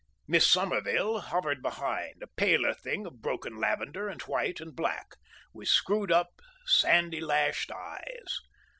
Miss Somerville hovered behind, a paler thing of broken lavender and white and black, with screwed up, sandy lashed eyes.